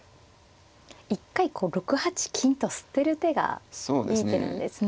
一回こう６八金と捨てる手がいい手なんですね。